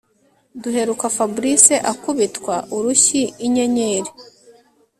Duheruka Fabric akubitwa urushyi inyenyeri